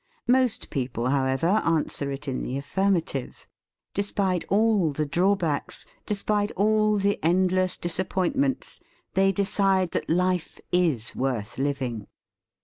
Most people, however, answer it in the affirmative. Despite all the drawbacks, despite all the endless disappointments, they decide that life is worth living.